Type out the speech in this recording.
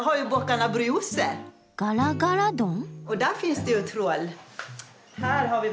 ガラガラドン？